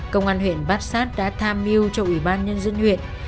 công an huyện bát sát đã tham mưu cho ủy ban nhân dân huyện